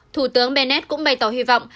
thủ tướng bennett cũng bày tỏ hy vọng